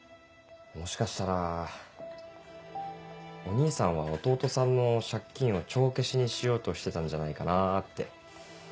もしかしたらお兄さんは弟さんの借金を帳消しにしようとしてたんじゃないかなって。